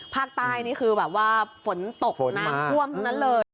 ภาคใต้นี่คือแบบว่าฝนตกน่ะฮ่วมนั้นเลย